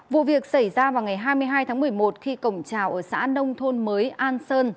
vụ việc xảy ra vào ngày hai mươi hai tháng một mươi một khi cổng trào ở xã nông thôn mới an sơn